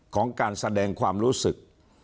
ของการแสดงความรู้สึก